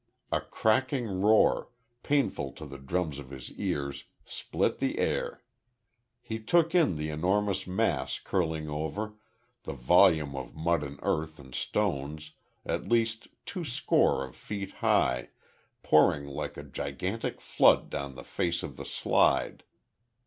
A cracking roar, painful to the drums of his ears, split the air. He took in the enormous mass curling over, the volume of mud and earth and stones, at least two score of feet high, pouring like a gigantic flood down the face of the slide.